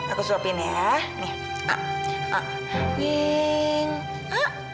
aku supin ya